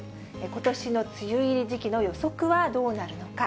ことしの梅雨入り時期の予測はどうなるのか。